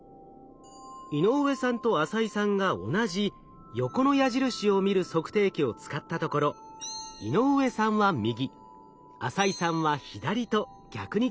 井上さんと浅井さんが同じ横の矢印を見る測定器を使ったところ井上さんは右浅井さんは左と逆に決まります。